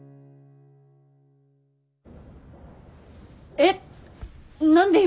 えっ何で今？